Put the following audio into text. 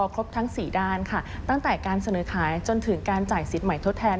ครบทั้งสี่ด้านค่ะตั้งแต่การเสนอขายจนถึงการจ่ายสิทธิ์ใหม่ทดแทน